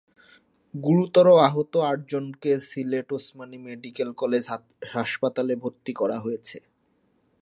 গুরুতর আহত আটজনকে সিলেট ওসমানী মেডিকেল কলেজ হাসপাতালে ভর্তি করা হয়েছে।